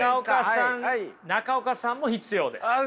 中岡さんも必要ですはい。